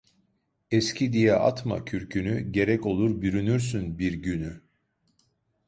Eski diye atma kürkünü; gerek olur bürünürsün bir günü.